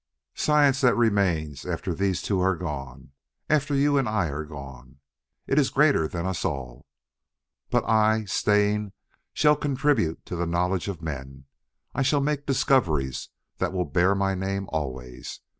Science that remains after these two are gone after you and I are gone! It is greater than us all. "But I, staying, shall contribute to the knowledge of men; I shall make discoveries that will bear my name always.